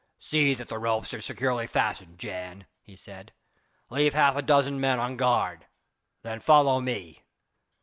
"See that the ropes are securely fastened, Jan," he said, "leave half a dozen men on guard, then follow me."